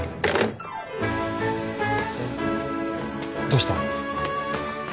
どうしたの？